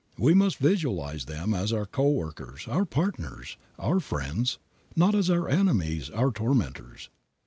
We must visualize them as our co workers, our partners, our friends, not as our enemies, our tormentors.